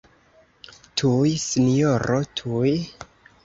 Tuj, sinjoro, tuj!